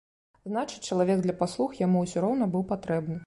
Значыць, чалавек для паслуг яму ўсё роўна быў патрэбны.